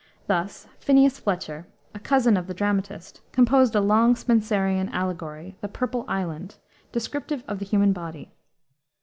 Thus Phineas Fletcher a cousin of the dramatist composed a long Spenserian allegory, the Purple Island, descriptive of the human body.